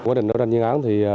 quá trình đối tranh chiến án